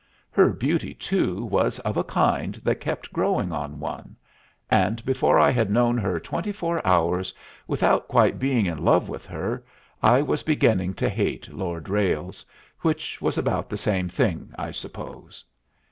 Her beauty, too, was of a kind that kept growing on one, and before I had known her twenty four hours, without quite being in love with her, I was beginning to hate Lord Ralles, which was about the same thing, I suppose.